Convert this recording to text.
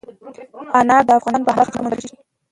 انار د افغانستان په هره برخه کې موندل کېږي.